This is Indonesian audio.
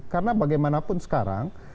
karena bagaimanapun sekarang